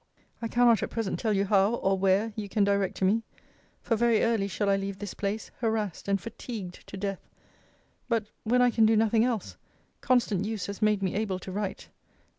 I cannot at present tell you how, or where, you can direct to me. For very early shall I leave this place; harassed and fatigued to death. But, when I can do nothing else, constant use has made me able to write.